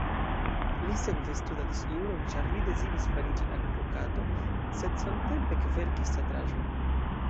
Li sekve studadis juron, ĉar li deziris fariĝi advokato, sed samtempe ekverkis teatraĵojn.